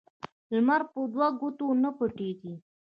لمر په دو ګوتو نه پټېږي